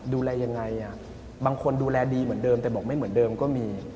ดูแลยังไงบางคนดูแลดีเหมือนเดิมแต่บอกไม่เหมือนเดิมก็มี